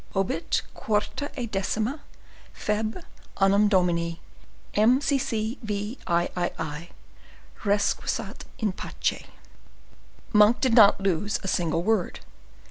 Obiit quarta et decima Feb. ann. Dom. MCCVIII. Requiescat in pace.'" Monk did not lose a single word.